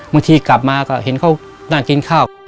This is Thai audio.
เมื่อกี้กลับมาก็เห็นเขาน่ากินข้าว